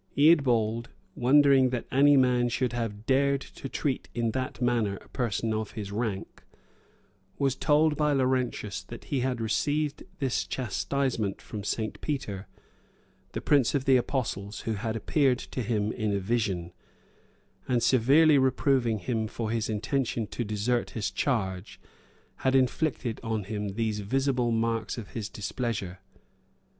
Eadbald, wondering that any man should have dared to treat in that manner a person of his rank, was told by Laurentius, that he had received this chastisement from St. Peter, the prince of the apostles, who had appeared to him in a vision, and severely reproving him for his intention to desert his charge, had inflicted on him these visible marks of his displeasure.